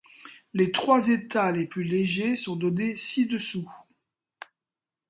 Les trois états les plus légers sont donnés ci-dessous.